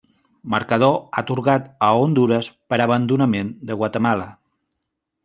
Marcador atorgat a Hondures per abandonament de Guatemala.